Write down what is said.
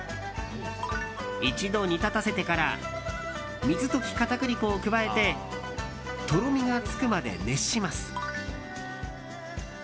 一度煮立たせてから水溶き片栗粉を加えてとろみがつくまで熱します。